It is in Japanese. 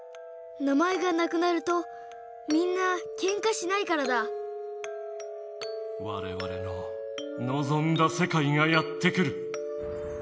名前がなくなるとみんなけんかしないからだわれわれののぞんだせかいがやって来る。